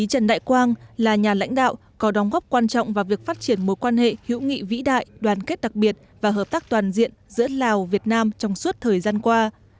trần đại quang là nhà lãnh đạo có đóng góp quan trọng vào việc phát triển một quan hệ hữu nghị vĩ đại đoàn kết đặc biệt và hợp tác toàn diện giữa lào việt nam trong suốt thời gian qua